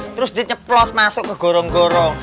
terus dia nyeplos masuk ke gorong gorong